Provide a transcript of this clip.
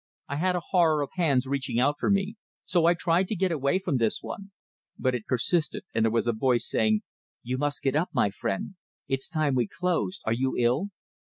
I had a horror of hands reaching out for me, so I tried to get away from this one; but it persisted, and there was a voice, saying, "You must get up, my friend. It's time we closed. Are you ill?"